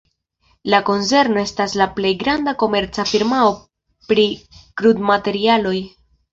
La konzerno estas la plej granda komerca firmao pri krudmaterialoj.